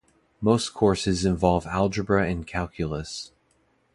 Most courses involve algebra and calculus.